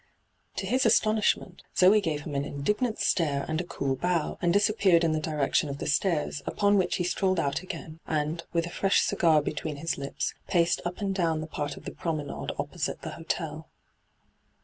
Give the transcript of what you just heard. To his astonishment, Zoe gave him an indignant stare and a cool bow, and dis appeared in the direction of the stairs, upon which he strolled out again, and, with a firesh cigar between his lips, paced up and down the part of the Promenade opposite the hotel.